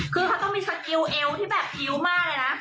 คือเขาต้องมีสกิลเอวที่แบบพิ้วมากเลยนะ